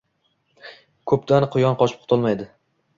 Koʻpdan quyon qochib qutulmaydi